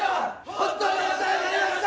ほんとにお世話になりました。